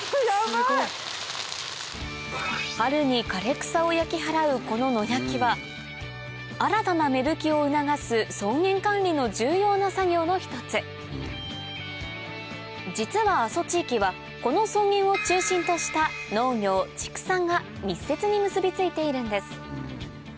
春に枯れ草を焼き払うこの野焼きは新たな芽吹きを促す草原管理の重要な作業の一つ実は阿蘇地域はこの草原を中心とした農業畜産が密接に結び付いているんです